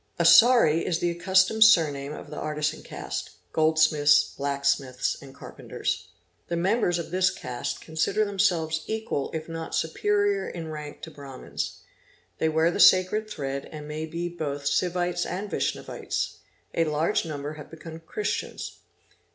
Asari is the accustomed surname of the artisan caste (goldsmiths, blacksmiths, and carpenters). The members of this caste consider themselves equal if not superior in rank to Brahmins. They wear the sacred thread and may be both Sivites and Vaishnavites. A large number have become Christians.